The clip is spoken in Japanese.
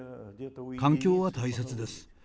環境は大切です。